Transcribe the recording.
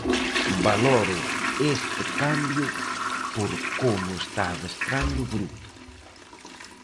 Valoro este cambio por como está adestrando o grupo.